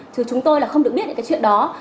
chứ chúng tôi là không được biết đến cái chuyện đó